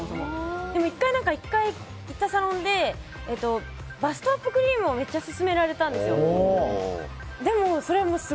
でも１回、行ったサロンでバストアップクリームをめっちゃ勧められたんですよ。